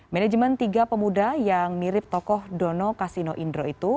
manajemen tiga pemuda yang mirip tokoh dono kasino indro itu